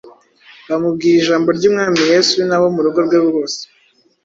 Bamubwira ijambo ry’Umwami Yesu n’abo mu rugo rwe bose.”